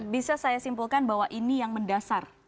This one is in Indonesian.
bisa saya simpulkan bahwa ini yang mendasar